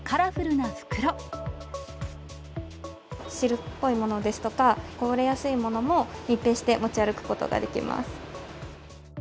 汁っぽいものですとか、こぼれやすいものも、密閉して持ち歩くことができます。